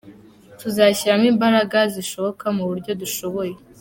Tuzashyiramo imbaraga zishoboka mu buryo dushoboye.